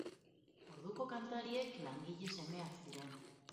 Orduko kantariek, langile semeak ziren.